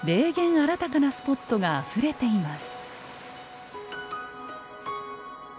あらたかなスポットがあふれています。